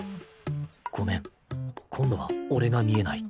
ごめん今度は俺が見えない。